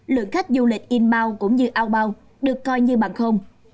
lượng khách du lịch inbound cũng như outbound được coi như bằng không